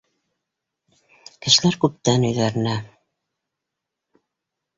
Кешеләр күптән өйҙәренә